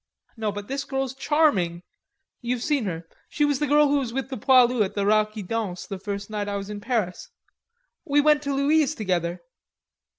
"No, but this girl's charming.... You've seen her. She's the girl who was with the poilu at the Rat qui Danse the first night I was in Paris. We went to Louise together."